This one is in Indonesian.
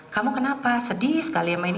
kamu kenapa sedih sekali ya main